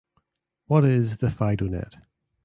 What is the "FidoNet"?